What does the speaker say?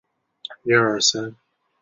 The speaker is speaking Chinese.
尾张国城主。